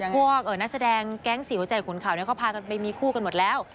พวกนักแสดงแก๊ง๔๖๗ขุนข่าวเนี่ยก็พากันไปมีคู่กันหมดแล้ว